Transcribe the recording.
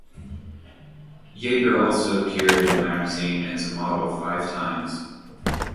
Yeager also appeared in the magazine as a model five times.